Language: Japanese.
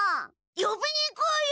よびにいこうよ！